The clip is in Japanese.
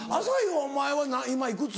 お前は今いくつ？